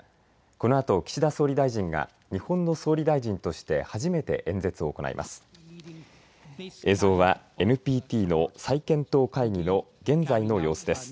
このあと、岸田総理大臣が日本の総理大臣として初めて演説を行います。